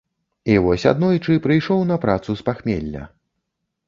І вось аднойчы прыйшоў на працу з пахмелля.